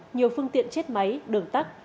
nhiều phương tiện chết máy đường tắt